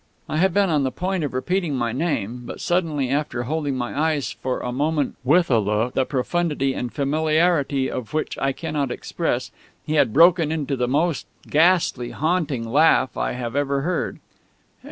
I had been on the point of repeating my name but suddenly, after holding my eyes for a moment with a look the profundity and familiarity of which I cannot express, he had broken into the most ghastly haunting laugh I have ever heard.